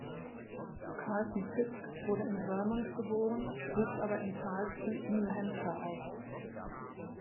Carlton Fisk wurde in Vermont geboren, wuchs aber in Charlestown, New Hampshire auf.